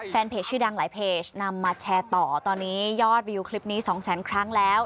เพจชื่อดังหลายเพจนำมาแชร์ต่อตอนนี้ยอดวิวคลิปนี้สองแสนครั้งแล้ว